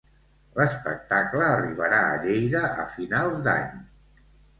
L'espectacle arribarà a Lleida a finals d'any.